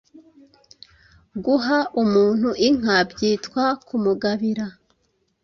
Guha umuntu inka byitwa Kumugabira